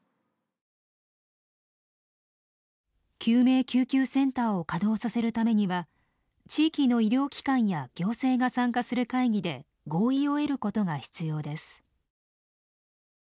救命救急センターを稼働させるためには地域の医療機関や行政が参加する会議で合意を得ることが必要です。